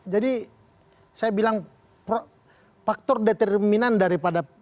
jadi saya bilang faktor determinan daripada